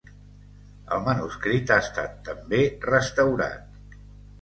El manuscrit ha estat també restaurat.